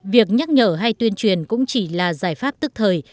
việc nhắc nhở hay tuyên truyền cũng chỉ là giải pháp tức thời